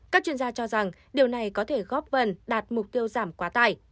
các chuyên gia cho rằng điều này có thể góp vần đạt mục tiêu giảm quá tải